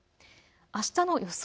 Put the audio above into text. あしたの予想